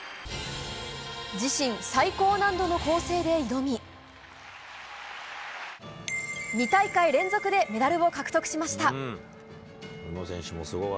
自身最高難度の構成で挑み、２大会連続でメダルを獲得しました。